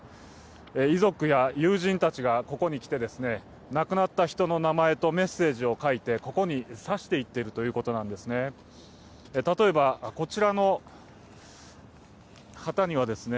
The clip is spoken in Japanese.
遺族や友人たちがここに来て、亡くなった人の名前とメッセージを書いてここにさしていっているということなんですね。